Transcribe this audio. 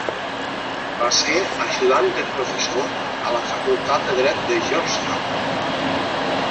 Va ser ajudant de professor a la facultat de dret de Georgetown.